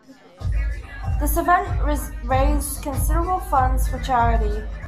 This event raised considerable funds for charity.